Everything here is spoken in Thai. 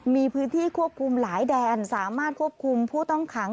มีพื้นที่ควบคุมหลายแดนสามารถควบคุมผู้ต้องขัง